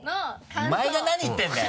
お前が何言ってるんだよ！